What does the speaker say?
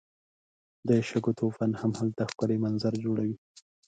د شګو طوفان هم هلته ښکلی منظر جوړوي.